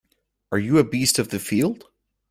Are you a beast of the field?